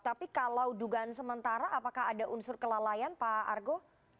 tapi kalau dugaan sementara apakah ada unsur kelalaian pak argo